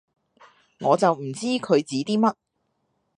我就唔知佢指啲乜